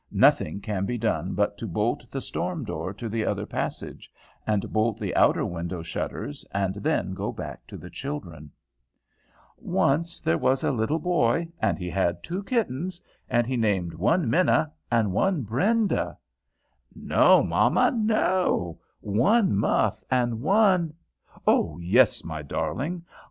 Nothing can be done but to bolt the storm door to the other passage, and bolt the outer window shutters, and then go back to the children. "Once there was a little boy, and he had two kittens, and he named one Minna, and one Brenda" "No, mamma, no! one Muff, and one" "Oh, yes! my darling!